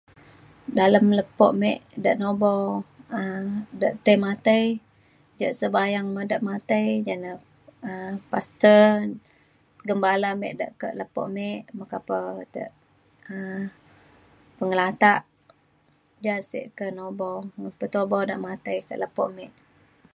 Dalem lepo mek dak nubo um tai matai ja' sebayang tai matai um pastor gembala mek da' ka' lepo mek [unintelligible] um peng lata' jah sek ka nubo pematai ka' lepo mek